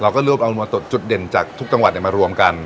เราก็รวบเอาจุดเด่นจากทุกจังหวัดเนี่ยมารวมกัน